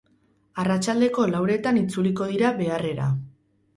Arratsaldeko lauretan itzuliko dira beharrera.